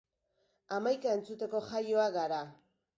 Hamaika entzuteko Jaioak gara!